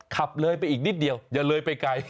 ขับเลยไปอีกนิดเดียวอย่าเลยไปไกล